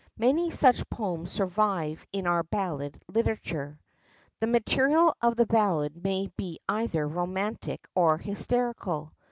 Many such poems survive in our ballad literature. The material of the ballad may be either romantic or historical.